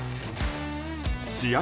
試合